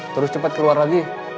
terus cepat keluar lagi